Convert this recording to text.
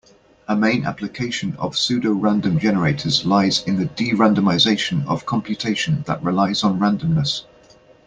A main application of pseudorandom generators lies in the de-randomization of computation that relies on randomness.